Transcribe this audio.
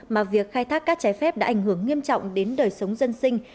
mà việc khai thác cát trái phép đã ảnh hưởng nghiêm trọng đến đời sống dân sinh